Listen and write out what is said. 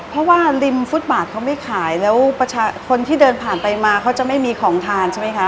เพราะว่าริมฟุตบาทเขาไม่ขายแล้วประชาชนที่เดินผ่านไปมาเขาจะไม่มีของทานใช่ไหมคะ